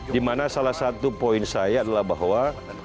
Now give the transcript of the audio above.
dimana salah satu poin saya adalah bahwa